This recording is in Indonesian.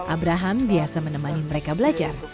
abraham biasa menemani mereka belajar